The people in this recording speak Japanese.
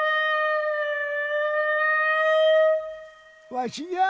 わしじゃあ！